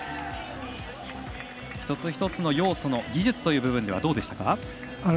一つ一つの要素の技術という部分どうでしたか？